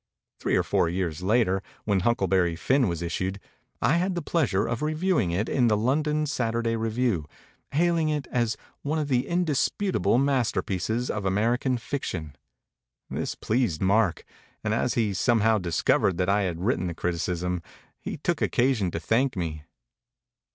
Three or four years later, when 'Huckleberry Finn' was issued, I had the pleasure of reviewing it in the London Saturday Review, hailing it as one of the indisputable masterpieces of American fic tion. This pleased Mark; and as he had some how discovered that I had written the criticism, he took occasion to thank me.